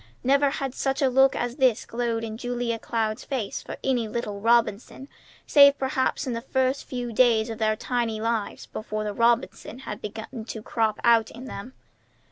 Never had such a look as this glowed in Julia Cloud's face for any little Robinson, save perhaps in the first few days of their tiny lives before the Robinson had begun to crop out in them.